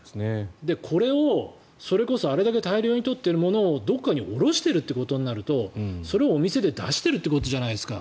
これを、それこそあれだけ大量に取っているものをどこかに卸しているということになるとそれをお店で出しているということじゃないですか。